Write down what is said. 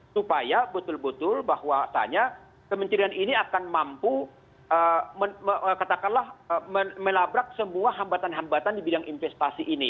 supaya betul betul bahwasannya kementerian ini akan mampu katakanlah melabrak semua hambatan hambatan di bidang investasi ini